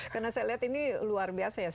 karena saya lihat ini luar biasa ya